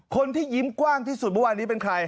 คนที่ยิ้มกว้างที่สุดเมื่อวานนี้เป็นใคร